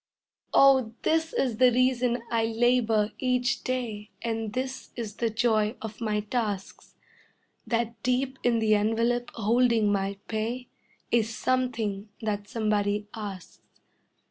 Oh, this is the reason I labor each day And this is the joy of my tasks: That deep in the envelope holding my pay Is something that somebody asks.